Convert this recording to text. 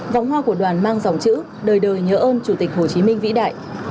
vòng hoa của đoàn mang dòng chữ đời đời nhớ ơn chủ tịch hồ chí minh vĩ đại